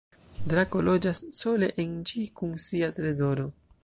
Drako loĝas sole en ĝi kun sia trezoro.